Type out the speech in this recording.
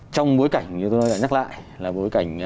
trong bối cảnh như tôi đã nhắc lại là bối cảnh